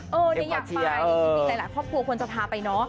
อยากไปจริงหลายครอบครัวควรจะพาไปเนอะ